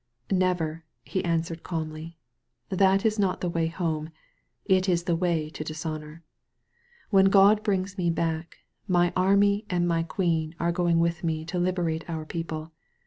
"Never," he answered calmly; "that is not the way home, it b the way to dishonor. When God brings me back, my army and my Queen are going with me to liberate our people.